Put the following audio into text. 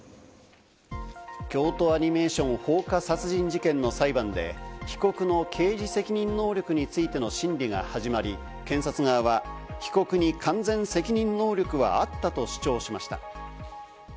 京都アニメーション放火殺人事件の裁判で被告の刑事責任能力についての審理が始まり、検察側は被告に完全責任能力はあったと主張しました。